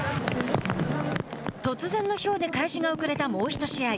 突然のひょうで開始が遅れたもう１試合。